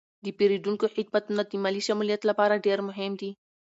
د پیرودونکو خدمتونه د مالي شمولیت لپاره ډیر مهم دي.